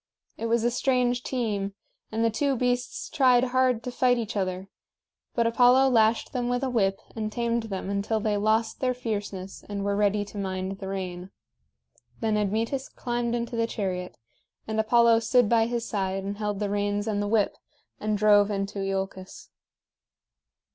It was a strange team, and the two beasts tried hard to fight each other; but Apollo lashed them with a whip and tamed them until they lost their fierceness and were ready to mind the rein. Then Admetus climbed into the chariot; and Apollo stood by his side and held the reins and the whip, and drove into Iolcus.